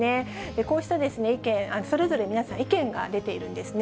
こうした意見、それぞれ皆さん、意見が出ているんですね。